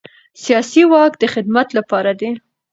سیاسي واک د خدمت لپاره دی